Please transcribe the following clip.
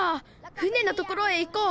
船のところへ行こう。